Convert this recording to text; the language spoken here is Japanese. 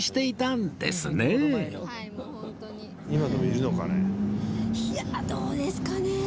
いやどうですかね？